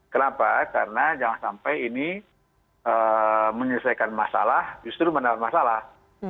kenapa karena jangan sampai ini menyelesaikan masalah justru menahan masalah